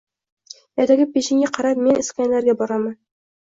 Ertaga peshinga qarab men Iskandarga boraman.